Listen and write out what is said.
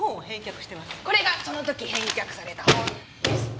これがその時返却された本です。